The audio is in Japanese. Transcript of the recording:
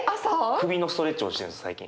首のストレッチをしてるんです最近。